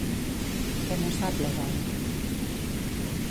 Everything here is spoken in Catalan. Què no sap la dona?